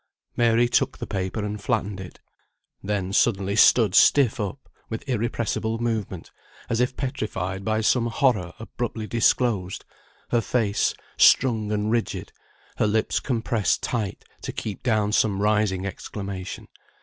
Mary took the paper and flattened it; then suddenly stood stiff up, with irrepressible movement, as if petrified by some horror abruptly disclosed; her face, strung and rigid; her lips compressed tight, to keep down some rising exclamation.